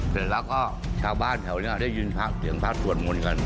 เสร็จแล้วก็ชาวบ้านแถวนี้ได้ยินเสียงพระสวดมนต์กัน